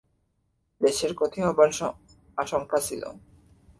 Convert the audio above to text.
দেশের ক্ষতি হবার আশঙ্কা ছিল।